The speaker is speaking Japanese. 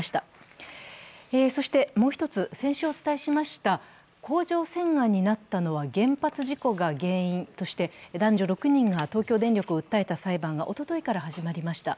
もう一つ、先週お伝えしました甲状腺がんになったのは原発事故が原因として男女６人が東京電力を訴えた裁判がおとといから始まりました。